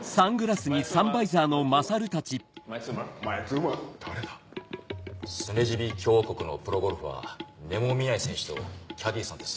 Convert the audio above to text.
スネジビ共和国のプロゴルファーネモ・ミナイ選手とキャディーさんです。